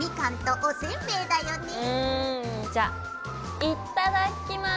じゃいっただきます。